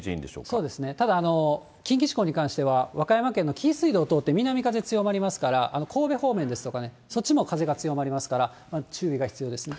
そうですね、ただ近畿地方に関しては、和歌山県の紀伊水道を通って南風、強まりますから、神戸方面ですとか、そっちも風が強まりますから、注意が必要ですね。